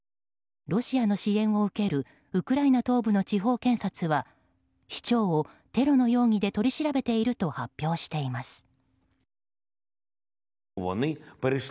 ロシアの支援を受けるウクライナ東部の地方検察は市長をテロの容疑で取り調べていると発表しています。